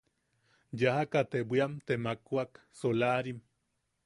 Yajaka te bwiam te makwak, solarim.